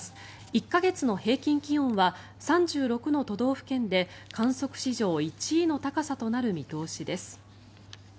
１か月の平均気温は３６の都道府県で観測史上１位の高さとなる見通しです。